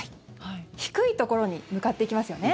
低いところに向かっていきますよね。